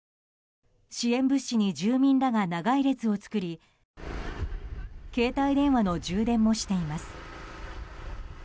支援物資に住民らが長い列を作り携帯電話の充電もしています。